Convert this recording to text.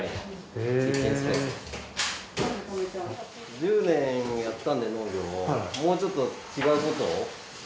１０年やったんで農業をもうちょっと違うことを。